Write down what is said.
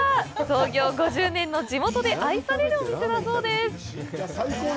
創業５０年の地元で愛されるお店だそうです。